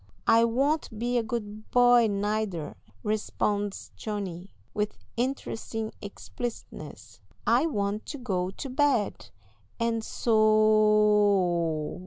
"I won't be a good boy, neither," responds Johnny, with interesting explicitness; "I want to go to bed, and so o o o!"